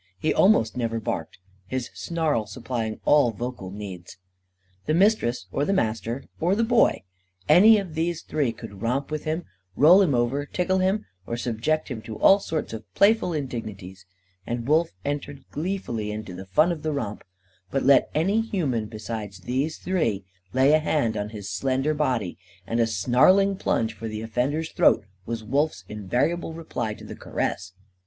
He almost never barked, his snarl supplying all vocal needs. The Mistress or the Master or the Boy any of these three could romp with him, roll him over, tickle him, or subject him to all sorts of playful indignities. And Wolf entered gleefully into the fun of the romp. But let any human, besides these three, lay a hand on his slender body, and a snarling plunge for the offender's throat was Wolf's invariable reply to the caress.